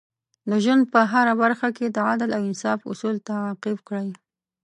د ژوند په هره برخه کې د عدل او انصاف اصول تعقیب کړئ.